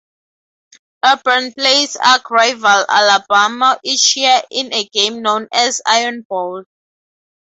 Auburn plays arch-rival Alabama each year in a game known as the Iron Bowl.